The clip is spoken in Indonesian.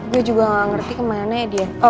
dia juga gak ngerti kemana dia